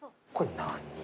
何？